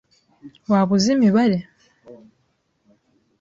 Waba uzi imibare?